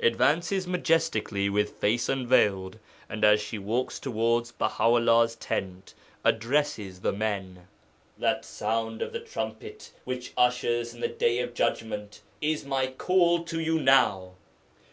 '(Advances majestically with face unveiled, and as she walks towards Baha 'ullah's tent, addresses the men.) That sound of the trumpet which ushers in the Day of Judgment is my call to you now!